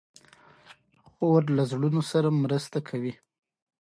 خور له زړونو سره مرسته کوي.